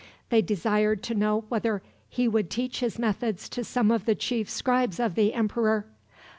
They desired to know whether he would teach his methods to some of the chief scribes of the emperor.